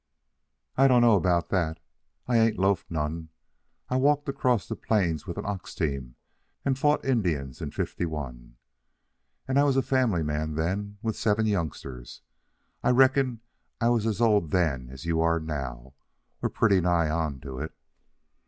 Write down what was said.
"I don't know about that. I ain't loafed none. I walked across the Plains with an ox team and fit Injuns in '51, and I was a family man then with seven youngsters. I reckon I was as old then as you are now, or pretty nigh on to it."